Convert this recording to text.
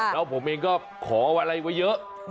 แล้วผมเองก็ขออะไรไว้เยอะ